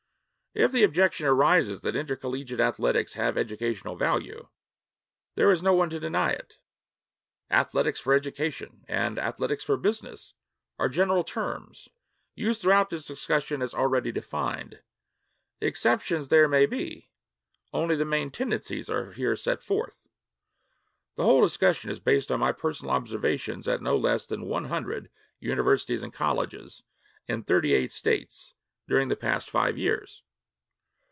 If the objection arises that intercollegiate athletics have educational value, there is no one to deny it. 'Athletics for education' and 'athletics for business' are general terms, used throughout this discussion as already defined. Exceptions there may be: only the main tendencies are here set forth. The whole discussion is based on my personal observations at no less than one hundred universities and colleges in thirty eight states during the past five years.